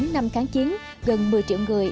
chín năm kháng chiến gần một mươi triệu người